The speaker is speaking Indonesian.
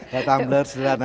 bawa tumbler sederhana